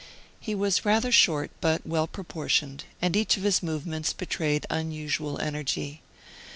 He was rather short but well proportioned; and each of his movements betrayed unusual energy.